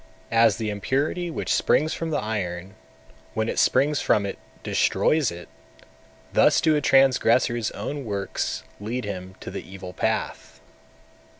240. As the impurity which springs from the iron, when it springs from it, destroys it; thus do a transgressor's own works lead him to the evil path.